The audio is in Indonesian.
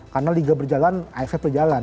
karena liga berjalan efek berjalan